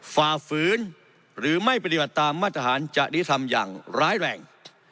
ฝ่าฝืนหรือไม่ปฏิบัตรตามรัฐจารย์จะทำอย่างร้ายแร่ง